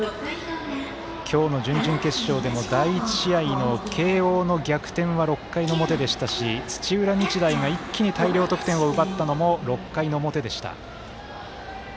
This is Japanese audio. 今日の準々決勝でも第１試合の慶応の逆転は６回の表でしたし、土浦日大が一気に大量得点を奪ったのも６回の表でした。